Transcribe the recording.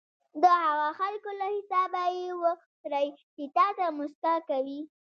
د هغه خلکو له حسابه یې وکړئ چې تاته موسکا کوي.